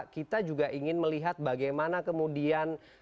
kita juga ingin melihat bagaimana kemudian